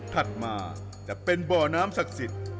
ถัดมาจะเป็นบ่อน้ำศักดิ์สิทธิ์